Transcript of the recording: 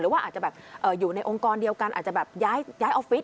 ว่าอาจจะแบบอยู่ในองค์กรเดียวกันอาจจะแบบย้ายออฟฟิศ